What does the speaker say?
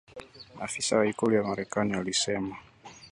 afisa wa ikulu ya Marekani alisema